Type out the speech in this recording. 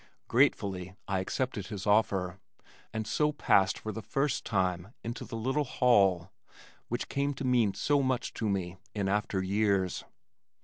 Gratefully I accepted his offer, and so passed for the first time into the little hall which came to mean so much to me in after years.